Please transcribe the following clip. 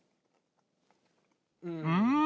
うん。